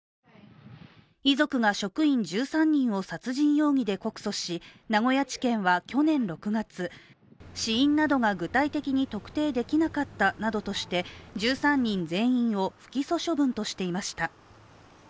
遺族が職員１３人を殺人容疑で告訴し名古屋地検は去年６月、死因などが具体的に特定できなかったなどとして１３人全員を不起訴処分としていました。